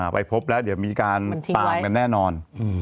ไปพบแล้วมีการต่างกันแน่นอน